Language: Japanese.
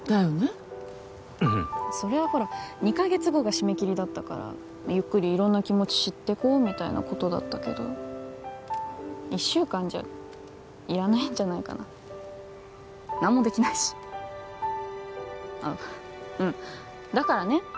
うんそれはほら２カ月後が締め切りだったからゆっくり色んな気持ち知ってこうみたいなことだったけど１週間じゃいらないんじゃないかな何もできないしあっうんだからね